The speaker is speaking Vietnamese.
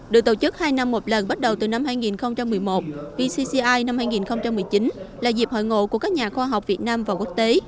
được tổ chức hai năm một lần bắt đầu từ năm hai nghìn một mươi một vcci năm hai nghìn một mươi chín là dịp hội ngộ của các nhà khoa học việt nam và quốc tế